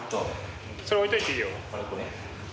それ置いといていいよ